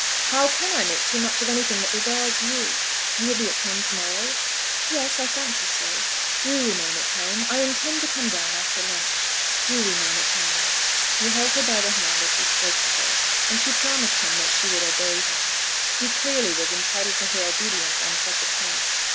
"How can I make too much of anything that regards you? You will be at home to morrow?" "Yes, I fancy so." "Do remain at home. I intend to come down after lunch. Do remain at home." He held her by the hand as he spoke to her, and she promised him that she would obey him. He clearly was entitled to her obedience on such a point.